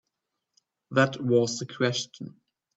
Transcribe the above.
That was the question.